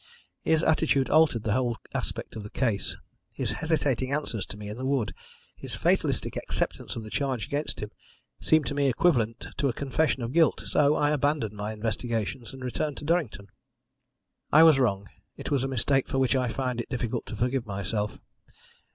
His attitude altered the whole aspect of the case. His hesitating answers to me in the wood, his fatalistic acceptance of the charge against him, seemed to me equivalent to a confession of guilt, so I abandoned my investigations and returned to Durrington. "I was wrong. It was a mistake for which I find it difficult to forgive myself.